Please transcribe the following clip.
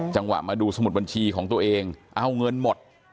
จังหวะมาดูสมุดบัญชีของตัวเองเอาเงินหมด